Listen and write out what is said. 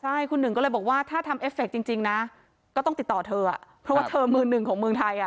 ใช่คุณหนึ่งก็เลยบอกว่าถ้าทำเอฟเฟคจริงนะก็ต้องติดต่อเธอเพราะว่าเธอมือหนึ่งของเมืองไทยอ่ะ